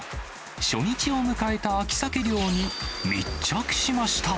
初日を迎えた秋サケ漁に密着しました。